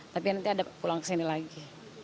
tapi nanti ada pulang ke sini lagi